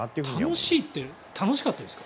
楽しいって楽しかったですか？